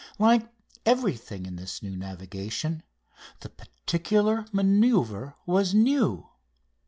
Like everything in this new navigation, the particular manoeuvre was new.